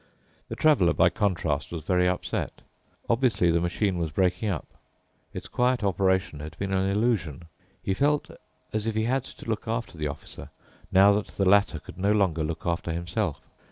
The Traveler, by contrast, was very upset. Obviously the machine was breaking up. Its quiet operation had been an illusion. He felt as if he had to look after the Officer, now that the latter could no longer look after himself.